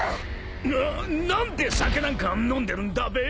［な何で酒なんか飲んでるんだべ？］